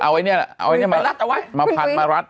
ไอ้นี่แหละเอาไอ้เนี่ยมารัดเอาไว้มาพันมารัด